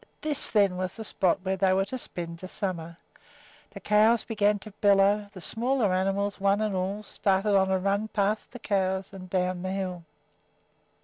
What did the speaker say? This, then, was the spot where they were to spend the summer! The cows began to bellow. The smaller animals, one and all, started on a run past the cows and down the hill.